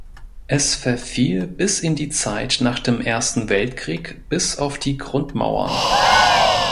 Es verfiel bis in die Zeit nach dem Ersten Weltkrieg bis auf die Grundmauern.